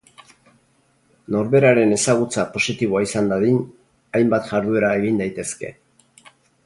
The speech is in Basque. Norberaren ezagutza positiboa izan dadin, hainbat jarduera egin daitezke.